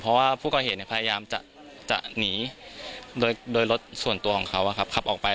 เพราะว่าผู้ก่อเหตุพยายามจะหนีโดยรถส่วนตัวของเขาขับออกไป